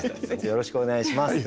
よろしくお願いします。